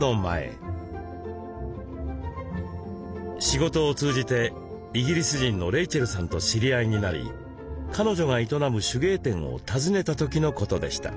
仕事を通じてイギリス人のレイチェルさんと知り合いになり彼女が営む手芸店を訪ねた時のことでした。